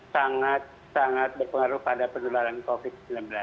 sangat sangat berpengaruh pada penularan covid sembilan belas